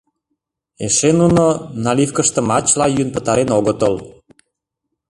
Эше нуно наливкыштымат чыла йӱын пытарен огытыл.